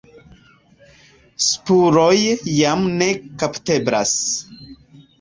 Spuroj jam ne kapteblas.